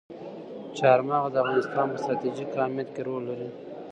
چار مغز د افغانستان په ستراتیژیک اهمیت کې رول لري.